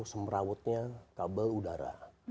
semerawutnya kabel udara